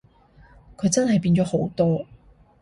佢真係變咗好多